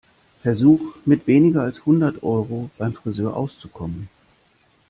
Versuche, mit weniger als hundert Euro beim Frisör auszukommen.